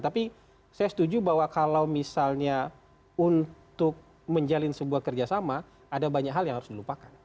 tapi saya setuju bahwa kalau misalnya untuk menjalin sebuah kerjasama ada banyak hal yang harus dilupakan